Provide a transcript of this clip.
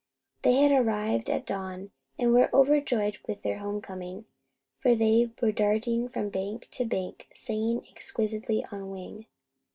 They had arrived at dawn, and were overjoyed with their homecoming, for they were darting from bank to bank singing exquisitely on wing.